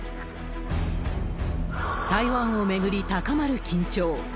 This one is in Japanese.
台湾を巡り高まる緊張。